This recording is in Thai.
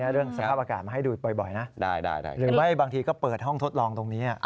เรื่องสภาพอากาศมาให้ดูบ่อยนะหรือไม่บางทีก็เปิดห้องทดลองตรงนี้